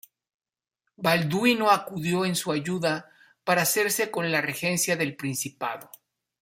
Balduino acudió en su ayuda para hacerse con la regencia del principado.